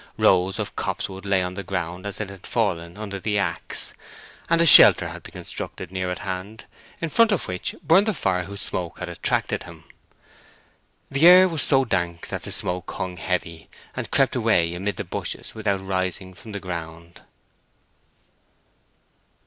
Rows of copse wood lay on the ground as it had fallen under the axe; and a shelter had been constructed near at hand, in front of which burned the fire whose smoke had attracted him. The air was so dank that the smoke hung heavy, and crept away amid the bushes without rising from the ground.